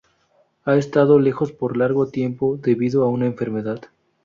Ha estado lejos por largo tiempo debido a una enfermedad.